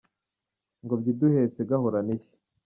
Ngobyi iduhetse gahorane ishya.